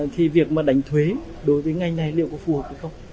thì việc mà đánh thuế đối với ngành này liệu có phù hợp hay không